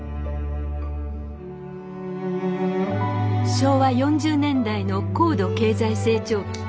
昭和４０年代の高度経済成長期。